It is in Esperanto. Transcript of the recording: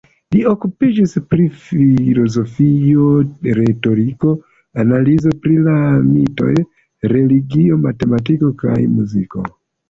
Li okupiĝis pri filozofio, retoriko, analizo pri la mitoj, religio, matematiko kaj muziko.